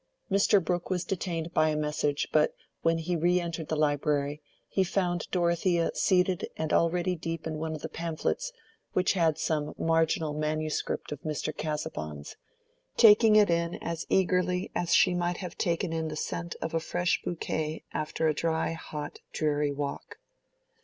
Mr. Brooke was detained by a message, but when he re entered the library, he found Dorothea seated and already deep in one of the pamphlets which had some marginal manuscript of Mr. Casaubon's,—taking it in as eagerly as she might have taken in the scent of a fresh bouquet after a dry, hot, dreary walk.